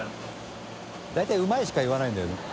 臑「うまい」しか言わないんだよ。